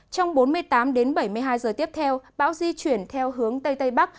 trong bốn mươi tám đến bảy mươi hai giờ tiếp theo bão di chuyển theo hướng tây tây bắc